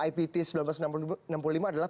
ipt seribu sembilan ratus enam puluh lima adalah